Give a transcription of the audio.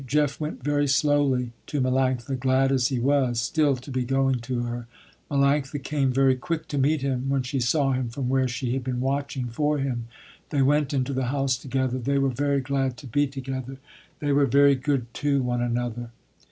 Jeff went very slowly to Melanctha, glad as he was, still to be going to her. Melanctha came, very quick, to meet him, when she saw him from where she had been watching for him. They went into the house together. They were very glad to be together. They were very good to one another.